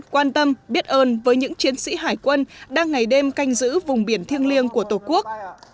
quan tâm biết ơn với những chiến sĩ hải quân đang ngày đêm canh giữ vùng biển thiêng liêng của tổ quốc